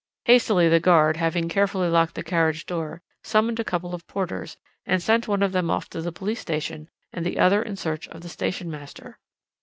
"Hastily the guard, having carefully locked the carriage door, summoned a couple of porters, and sent one of them off to the police station, and the other in search of the station master.